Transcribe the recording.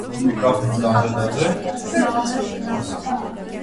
Ամռանը շոգ է, ձմռանը՝ ցուրտ։